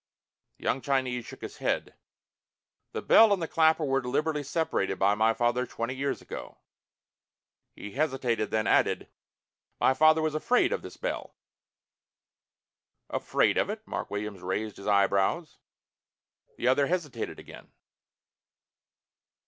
The young Chinese shook his head. "The bell and the clapper were deliberately separated by my father twenty years ago." He hesitated, then added: "My father was afraid of this bell." "Afraid of it?" Mark Williams raised his eyebrows. The other hesitated again.